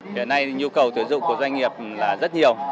hiện nay thì nhu cầu tuyển dụng của doanh nghiệp là rất nhiều